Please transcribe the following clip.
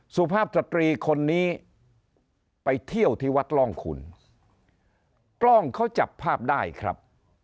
สุภาพสตรีคนนี้ไปเที่ยวที่วัดร่องคุณกล้องเขาจับภาพได้ครับ